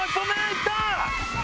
いった！